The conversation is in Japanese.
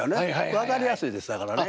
分かりやすいですだからね。